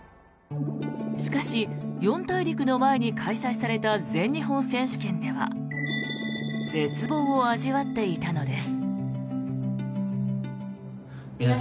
しかし、四大陸の前に開催された全日本選手権では絶望を味わっていたのです。